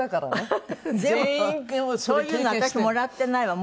でもそういうの私もらってないわ。